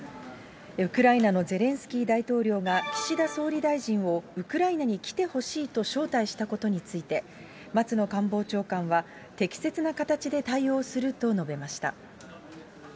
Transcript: ウクライナのゼレンスキー大統領が、岸田総理大臣をウクライナに来てほしいと招待したことについて、松野官房長官は、適切な形で対応すると述べました。